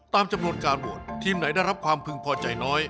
ตามจำนวนการโหวตทีมไหนได้รับความพึงพอใจน้อย